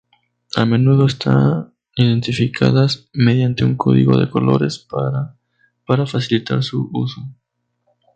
A menudo están identificadas mediante un código de colores para para facilitar su uso.